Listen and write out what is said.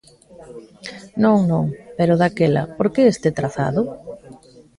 Non, non, pero, daquela, ¿por que este trazado?